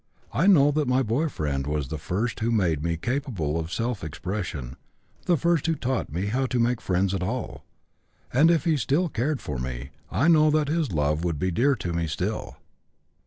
I know that my boy friend was the first who made me capable of self expression, the first who taught me how to make friends at all. And if he still cared for me, I know that his love would be dear to me still.